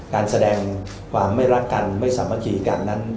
การแสดงความไม่รักกันไม่สามัคคีกันนั้น